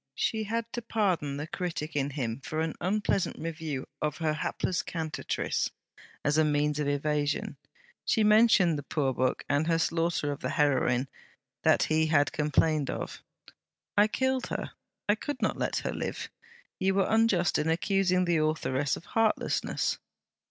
She had to pardon the critic in him for an unpleasant review of her hapless CANTATRICE; and as a means of evasion, she mentioned the poor book and her slaughter of the heroine, that he had complained of. 'I killed her; I could not let her live. You were unjust in accusing the authoress of heartlessness.'